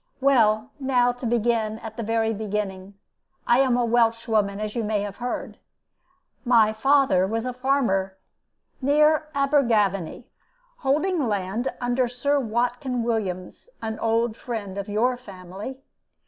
Well, now, to begin at the very beginning: I am a Welshwoman, as you may have heard. My father was a farmer near Abergavenny, holding land under Sir Watkin Williams, an old friend of your family.